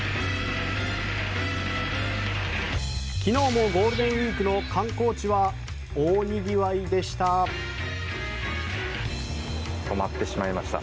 昨日もゴールデンウィークの観光地は大にぎわいでした。